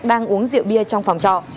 đang uống rượu bia trong phòng trọ